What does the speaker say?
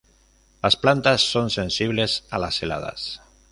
Las plantas son sensibles a las heladas.